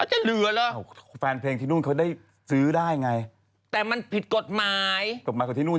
เฮ้ยอีพี